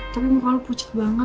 tapi muka lu pucuk banget